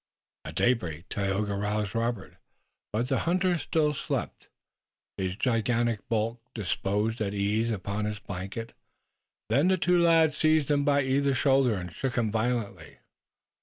At daybreak Tayoga roused Robert, but the hunter still slept, his gigantic bulk disposed at ease upon his blanket. Then the two lads seized him by either shoulder and shook him violently.